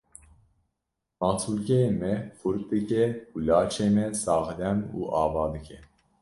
Masûlkeyên me xurt dike û laşê me saxlem û ava dike.